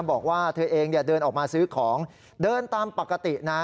บอกว่าเธอเองเดินออกมาซื้อของเดินตามปกตินะ